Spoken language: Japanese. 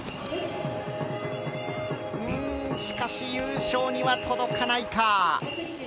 しかし優勝には届かないか。